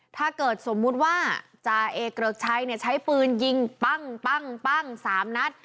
ถ้าเกิดสมมติว่าจาเอเกริกใช้เนี่ยใช้ปืนยิงปั้งปั้งปั้งสามนัด